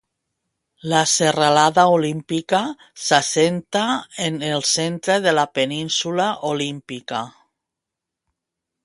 La serralada Olímpica s'assenta en el centre de la península Olímpica.